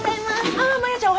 ああマヤちゃん